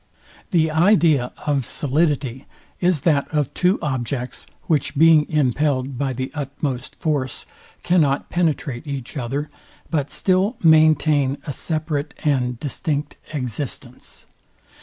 The idea of solidity is that of two objects, which being impelled by the utmost force, cannot penetrate each other; but still maintain a separate and distinct existence.